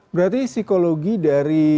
berarti psikologi dari